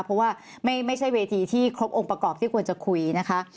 เพราะว่าไม่ใช่เวทีที่ครบองค์ประกอบที่ควรจะคุยนะคะ